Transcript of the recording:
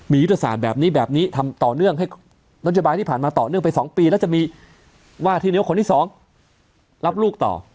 มียุทธศาสตร์แบบนี้แบบนี้ทำต่อเนื่องให้นโยบายที่ผ่านมาต่อเนื่องไป๒ปีแล้วจะมีว่าที่นิ้วคนที่๒รับลูกต่อ